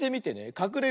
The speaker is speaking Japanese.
かくれるよ。